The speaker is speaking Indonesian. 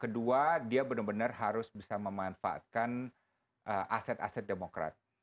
kedua dia benar benar harus bisa memanfaatkan aset aset demokrat